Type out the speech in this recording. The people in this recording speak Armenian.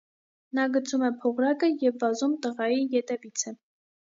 Նա գցում է փողրակը և վազում տղայի ետևից է։